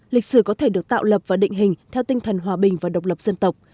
lịch sử có thể được tạo lập và định hình theo tinh thần hòa bình và độc lập dân tộc